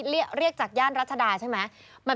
เรียกจากย่านรัชดาใช่ไหม